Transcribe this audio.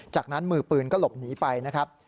จากนั้นมือปืนก็หลบหนีไปนะครับ